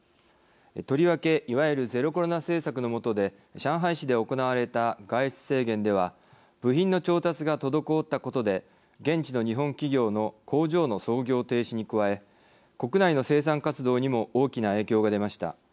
とりわけいわゆるゼロコロナ政策の下で上海市で行われた外出制限では部品の調達が滞ったことで現地の日本企業の工場の操業停止に加え国内の生産活動にも大きな影響が出ました。